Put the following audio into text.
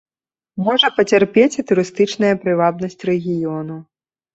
Можа пацярпець і турыстычная прывабнасць рэгіёну.